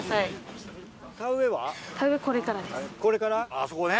あそこね。